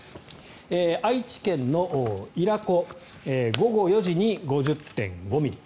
愛知県の伊良湖午後４時に５０．５ミリ。